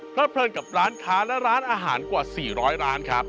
เพลินกับร้านค้าและร้านอาหารกว่า๔๐๐ร้านครับ